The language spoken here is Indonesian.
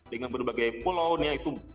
dengan berbagai pulau